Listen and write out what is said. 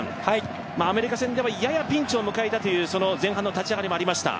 アメリカ戦ではややピンチを迎えたという前半の立ち上がりがありました。